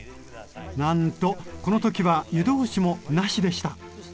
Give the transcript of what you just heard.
なんとこの時は湯通しもなしでした。